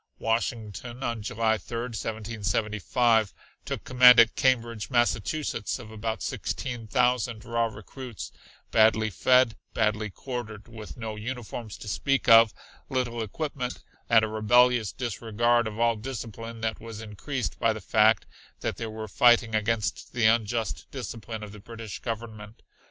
Washington, on July 3rd, 1775, took command at Cambridge, Massachusetts, of about sixteen thousand raw recruits, badly fed, badly quartered, with no uniforms to speak of, little equipment and a rebellious disregard of all discipline that was increased by the fact that they were fighting against the unjust discipline of the British Government.